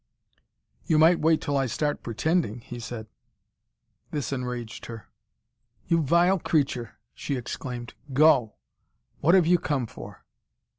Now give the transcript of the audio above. "You might wait till I start pretending," he said. This enraged her. "You vile creature!" she exclaimed. "Go! What have you come for?"